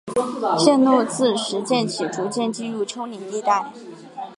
线路自石涧起逐渐进入丘陵地带。